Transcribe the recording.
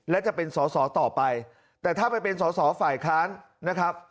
และจะเป็นสอสอต่อไปแต่ถ้าไปเป็นสอสอฝ่ายค้านนะครับ